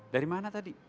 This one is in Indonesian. dari mana tadi